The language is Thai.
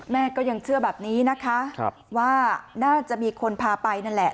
แม่ก็ยังเชื่อแบบนี้นะคะว่าน่าจะมีคนพาไปนั่นแหละ